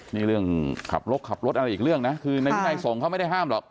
นี่เรื่องขับรถขับรถอะไรอีกเรื่องนะคือในวินัยส่งเขาไม่ได้ห้ามหรอก